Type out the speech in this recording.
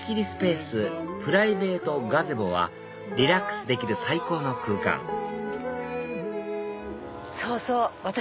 スペースプライベートガゼボはリラックスできる最高の空間そうそう！